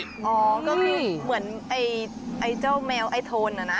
อ๋อก็คือเหมือนเจ้าแมวไอโทนเหรอนะ